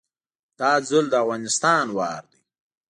دا ځل د افغانستان وار دی